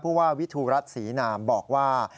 ผู้ว่าวิทูรัฐศรีนามบอกว่า